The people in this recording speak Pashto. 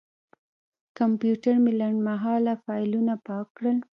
کمپیوټر مې لنډمهاله فایلونه پاک کړل.